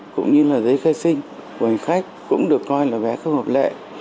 cũng được coi là vé không hợp lệ